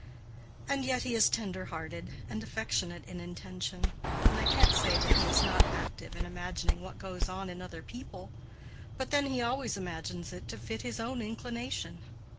And yet he is tender hearted and affectionate in intention, and I can't say that he is not active in imagining what goes on in other people—but then he always imagines it to fit his own inclination."